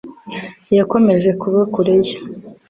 Yakomeje kuba kure ye.